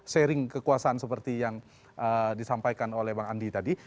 sharing kekuasaan seperti yang disampaikan oleh bang andi tadi